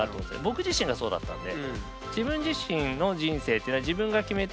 僕自身がそうだったんで。